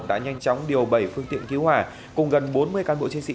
đã nhanh chóng điều bày phương tiện cứu hỏa cùng gần bốn mươi cán bộ chế sĩ